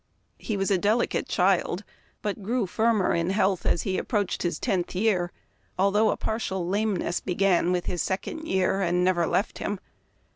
He was a deli cate child, but grew firmer in health as he approached his tenth year, although a partial lameness began with his second year and never left him.